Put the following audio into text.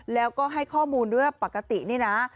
แล้วก็ให้ข้อมูลด้วยว่าปกตินี่นะ